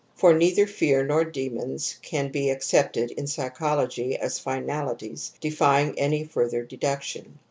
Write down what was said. For neither fear nor demons can be accepted in psychology as final ities defying any further deduction.